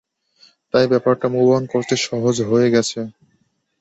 তাই ব্যাপারটা মুভ-অন করতে সহজ হয়ে গেছে।